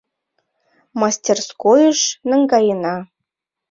— Мастерскойыш наҥгаена!